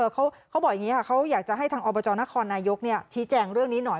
เขาบอกอย่างนี้ค่ะเขาอยากจะให้ทางอบจนครนายกชี้แจงเรื่องนี้หน่อย